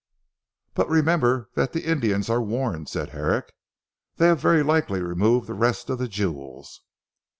"But remember that the Indians are warned," said Herrick, "they have very likely removed the rest of the jewels."